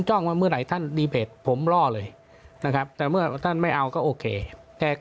้องว่าเมื่อไหร่ท่านดีเบตผมล่อเลยนะครับแต่เมื่อท่านไม่เอาก็โอเคแต่